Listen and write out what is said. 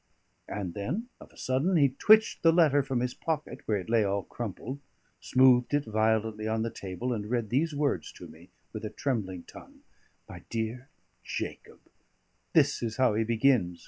And then, of a sudden, he twitched the letter from his pocket, where it lay all crumpled, smoothed it violently on the table, and read these words to me with a trembling tongue: "'My dear Jacob' This is how he begins!"